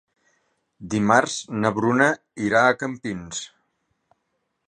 Dimarts na Bruna irà a Campins.